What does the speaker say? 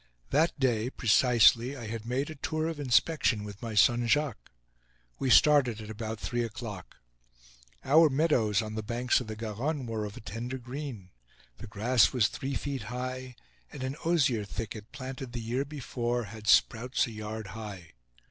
That day precisely, I had made a tour of inspection with my son, Jacques. We started at about three o'clock. Our meadows on the banks of the Garonne were of a tender green. The grass was three feet high, and an osier thicket, planted the year before, had sprouts a yard high.